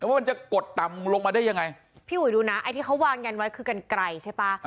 ว่ามันจะกดต่ำลงมาได้ยังไงพี่อุ๋ยดูนะไอ้ที่เขาวางยันไว้คือกันไกลใช่ป่ะ